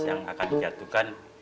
yang akan dijatuhkan